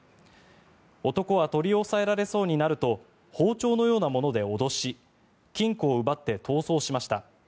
男は取り押さえられそうになると包丁のようなもので脅し金庫を奪って逃走しました。